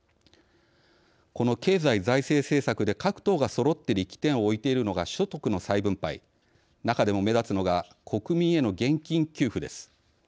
この経済・財政政策で各党がそろって力点を置いているのが所得の再分配中でも目立つのが国民への現金給付です。